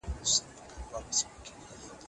زه د وطن سره مینه لرم.